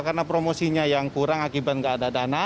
karena promosinya yang kurang akibat nggak ada dana